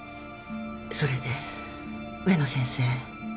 それで植野先生。